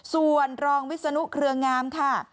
ส่วนรองวิศนุเครืองามค่ะ